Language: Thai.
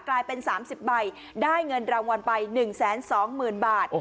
กลายเป็น๓๐ใบได้เงินรางวัลไป๑๒๐๐๐บาท